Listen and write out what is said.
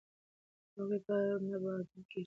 خاورې به پرې نه بادول کیږي.